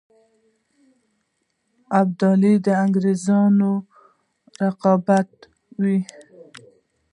ابدالي د انګرېزانو رقیب وو.